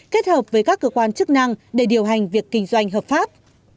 kết hợp với các cơ quan chức năng để điều hành việc kinh doanh hợp pháp